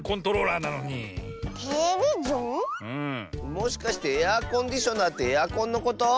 もしかしてエアコンディショナーってエアコンのこと？